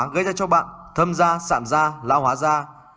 gây ra cho bạn thâm da sạm da lão hóa da